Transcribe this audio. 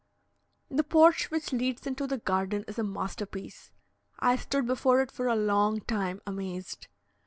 The porch which leads into the garden is a masterpiece. I stood before it for a long time amazed.